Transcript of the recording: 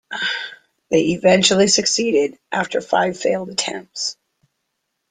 They eventually succeeded after five failed attempts